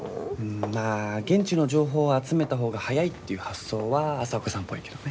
まあ現地の情報を集めた方が早いっていう発想は朝岡さんっぽいけどね。